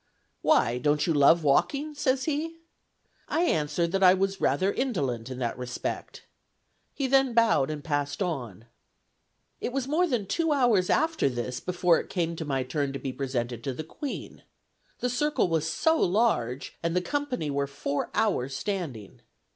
'Why, don't you love walking?' says he. I answered, that I was rather indolent in that respect. He then bowed and passed on. It was more than two hours after this before it came to my turn to be presented to the Queen. The circle was so large that the company were four hours standing.